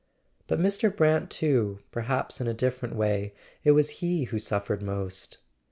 But Mr. Brant too—perhaps in a different way it was he who suffered most.